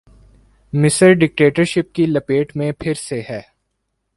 مصر ڈکٹیٹرشپ کی لپیٹ میں پھر سے ہے۔